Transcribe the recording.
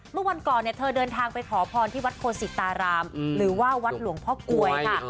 เมื่อวันก่อนเนี่ยเธอเดินทางไปขอพรที่วัดโคศิตารามหรือว่าวัดหลวงพ่อกลวยค่ะ